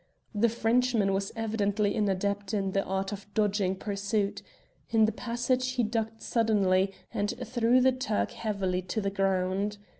The Frenchman was evidently an adept in the art of dodging pursuit. In the passage he ducked suddenly, and threw the Turk heavily to the ground.